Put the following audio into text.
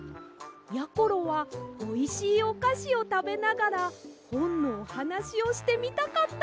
やころはおいしいおかしをたべながらほんのおはなしをしてみたかったんです。